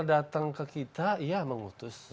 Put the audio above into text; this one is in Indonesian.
datang ke kita ya mengutus